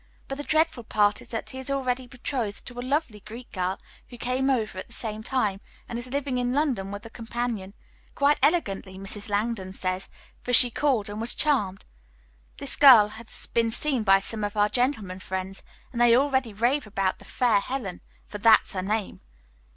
But the dreadful part is that he is already betrothed to a lovely Greek girl, who came over at the same time, and is living in London with a companion; quite elegantly, Mrs. Langdon says, for she called and was charmed. This girl has been seen by some of our gentlemen friends, and they already rave about the 'fair Helene,' for that's her name."